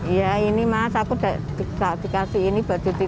ya ini mas aku sudah dikasih ini